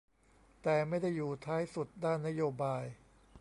แต่ไม่ได้อยู่ท้ายสุดด้านนโยบาย